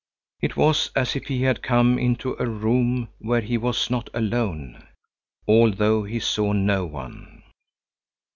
It was as if he had come into a room where he was not alone, although he saw no one.